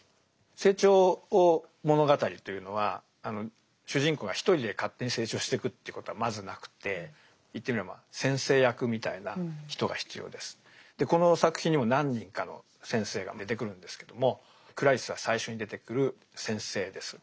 成長物語というのは主人公が一人で勝手に成長してくということはまずなくて言ってみりゃまあでこの作品にも何人かの「先生」が出てくるんですけどもクラリスは最初に出てくる「先生」です。